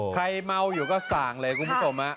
เมาอยู่ก็ส่างเลยคุณผู้ชม